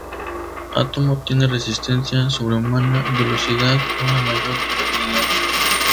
Átomo tiene resistencia sobrehumana, velocidad, una mayor durabilidad.